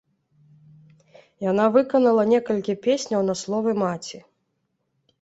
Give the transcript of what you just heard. Яна выканала некалькі песняў на словы маці.